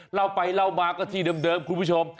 เล่าไปเล่ามาก็ที่เดิมคุณผู้ชม